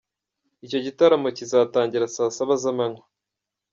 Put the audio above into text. Icyo gitaramo kizatangira saa saba z’amanywa.